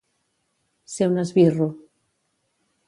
Ser un esbirro.